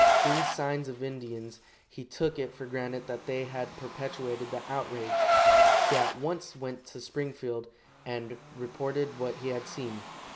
Seeing signs of Indians, he took it for granted that they had perpetrated the outrage. He at once went to Springfield, and reported what he had seen.